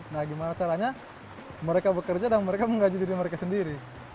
nah gimana caranya mereka bekerja dan mereka menggaji diri mereka sendiri